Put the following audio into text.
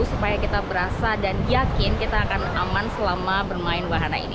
supaya kita berasa dan yakin kita akan aman selama bermain wahana ini